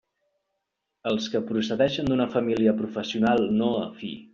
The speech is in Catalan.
Els que procedeixen d'una família professional no afí.